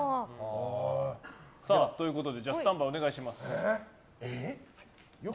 ということで、スタンバイお願いします。